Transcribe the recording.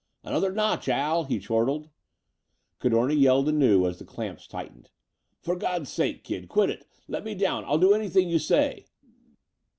"Another notch, Al," he chortled. Cadorna yelled anew as the clamps tightened, "For God's sake, kid, quit it! Let me down. I'll do anything you say."